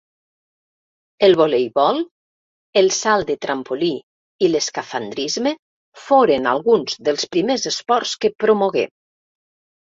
El voleibol, el salt de trampolí i l'escafandrisme foren alguns dels primers esports que promogué.